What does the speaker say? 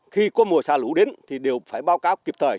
khi có mùa xa lũ đến thì đều phải báo cáo kịp thời